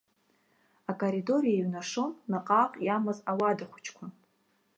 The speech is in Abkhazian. Акоридор еиҩнашон, наҟ-ааҟ иамаз ауада хәыҷқәа.